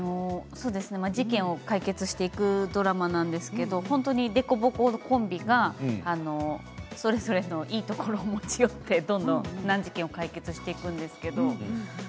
事件を解決していくドラマなんですけれど本当に凸凹コンビがそれぞれのいいところを持ち寄って、どんどん難事件を解決していくんです。